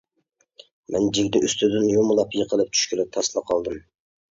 مەن جىگدە ئۇستىدىن يۇمىلاپ يېقىلىپ چۈشكىلى تاسلا قالدىم.